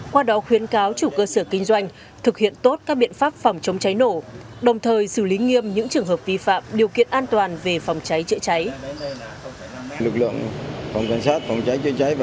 qua đó khuyến cáo chủ cơ sở kinh doanh thực hiện tốt các biện pháp phòng chống cháy nổ đồng thời xử lý nghiêm những trường hợp vi phạm điều kiện an toàn về phòng cháy chữa cháy